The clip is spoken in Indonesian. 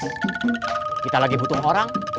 itu nggak fokus kita lagi butuh orang tahu malah ikut